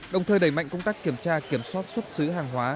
đồng thời đẩy mạnh công tác kiểm tra kiểm soát xuất xứ hàng hóa